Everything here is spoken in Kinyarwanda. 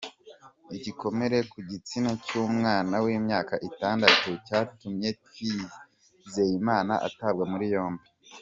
Igikomere ku gitsina cy’umwana w’imyaka Itandatu cyatumye Twizeyimana atabwa muri yombi